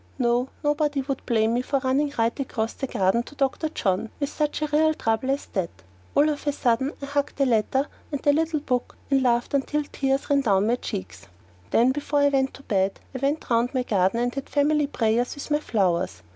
No, nobody would blame me for running right across the garden to Dr. John with such a real trouble as that! All of a sudden I hugged the letter and the little book and laughed until the tears ran down my cheeks. Then, before I went to bed, I went round my garden and had family prayers with my flowers.